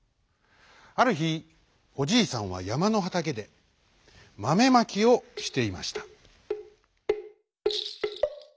あるひおじいさんはやまのはたけでマメまきをしていました。